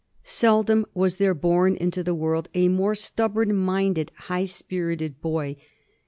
Seldom was there bom into the world a more stubborn minded, high spirited boy.